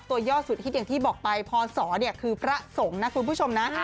ย่อสุดฮิตอย่างที่บอกไปพศคือพระสงฆ์นะคุณผู้ชมนะ